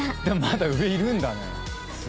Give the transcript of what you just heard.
でもまだ上いるんだね。